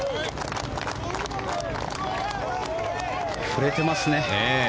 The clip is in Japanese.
振れてますね。